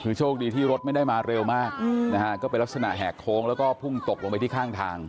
คือโชคดีที่รถไม่ได้มาเร็วมากนะฮะก็เป็นลักษณะแหกโค้งแล้วก็พุ่งตกลงไปที่ข้างทาง